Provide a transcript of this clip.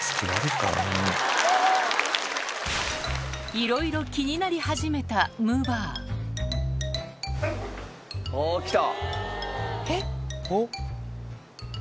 いろいろ気になり始めたむぅばあおぉきた！